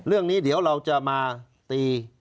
เรื่องนี้เดี๋ยวเราจะมาตี